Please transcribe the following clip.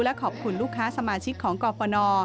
และขอบคุณลูกค้าสมาชิกของกรฟน